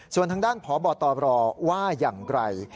ส่วนทางด้านพบตรว่าอย่างไร